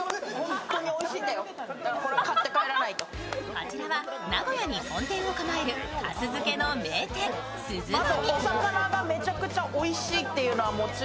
こちらは名古屋に本店を構える粕漬けの名店、鈴波。